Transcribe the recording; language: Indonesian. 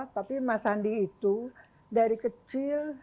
tapi mas sandi itu dari kecil